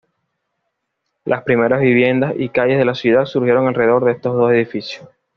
Las primeras viviendas y calles de la ciudad surgieron alrededor de estos dos edificios.